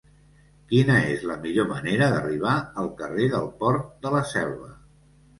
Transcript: Quina és la millor manera d'arribar al carrer del Port de la Selva?